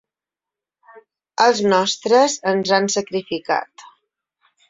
Els nostres ens han sacrificat.